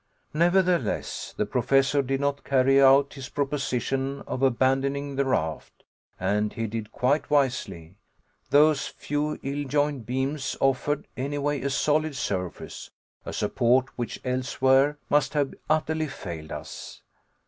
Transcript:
Nevertheless, the Professor did not carry out his proposition of abandoning the raft; and he did quite wisely. Those few ill joined beams offered, anyway, a solid surface a support which elsewhere must have utterly failed us.